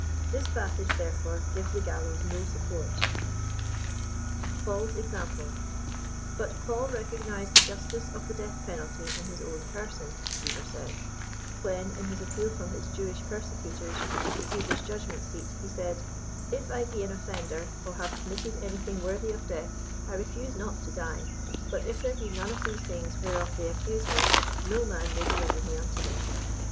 This passage therefore gives the gallows no support. 143 Paul's example. But <* Paul recognized the justice of the death penalty, in his own person,*' Cheever says, when, in his appeal from hid Jewish persecutors, to Caesar's judgment seat, he said, «« if I be an offender or have committed anything worthy of death, I refuse not to die, bat if there be none of these things whereof they accuse me, no man may deliver me unto them.